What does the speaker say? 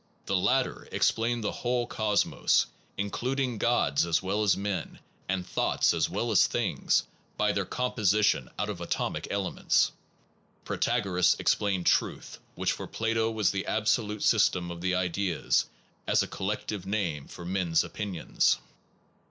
The latter explained the whole cosmos, includ ing gods as well as men, and thoughts as well as things, by their composition out of atomic elements; Protagoras explained truth, which for Plato was the absolute system of the ideas, as a collective name for men s opinions.